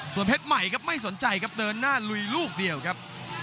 ส่วนเพชรใหม่ครับไม่สนใจครับเดินหน้าลุยลูกเดียวครับ